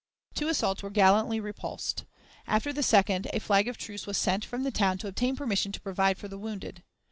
Two assaults were gallantly repulsed. After the second, a flag of truce was sent from the town to obtain permission to provide for the wounded.